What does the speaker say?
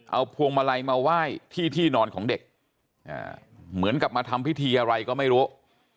เอาพวงมาลัยมาไหว้ที่ที่นอนของเด็กเหมือนกับมาทำพิธีอะไรก็ไม่รู้